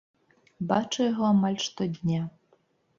Бачу яго амаль штодня.